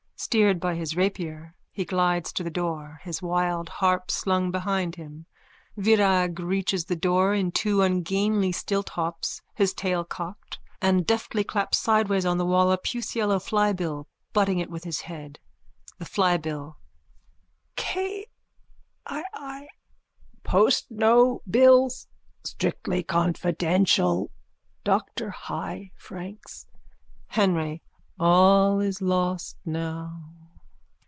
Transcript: Steered by his rapier, he glides to the door, his wild harp slung behind him. Virag reaches the door in two ungainly stilthops, his tail cocked, and deftly claps sideways on the wall a pusyellow flybill, butting it with his head.)_ THE FLYBILL: K. 11. Post No Bills. Strictly confidential. Dr Hy Franks. HENRY: All is lost now.